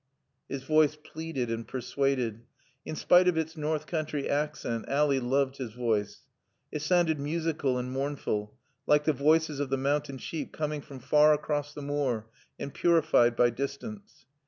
His voice pleaded and persuaded. In spite of its north country accent Ally loved his voice. It sounded musical and mournful, like the voices of the mountain sheep coming from far across the moor and purified by distance.